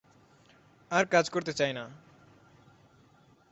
আর কাজ করতে চাই না।